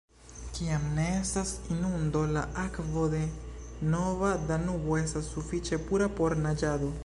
Kiam ne estas inundo, la akvo de Nova Danubo estas sufiĉe pura por naĝado.